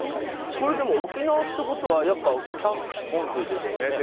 これ、でも沖縄ってことはキャンプですよね。